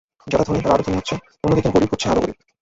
যারা ধনী, তারা আরও ধনী হচ্ছে, অন্যদিকে গরিব হচ্ছে আরও গরিব।